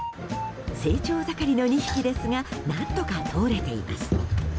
成長盛りの２匹ですが何とか通れています。